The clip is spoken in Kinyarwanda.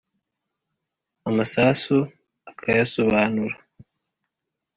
amasasu akayasobanura